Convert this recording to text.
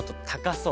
そう。